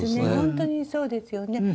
本当にそうですよね。